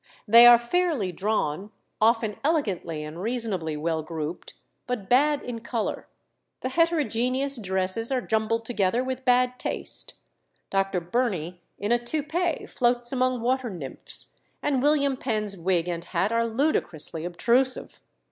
They are fairly drawn, often elegantly and reasonably well grouped, but bad in colour. The heterogeneous dresses are jumbled together with bad taste Dr. Burney in a toupee floats among water nymphs, and William Penn's wig and hat are ludicrously obtrusive.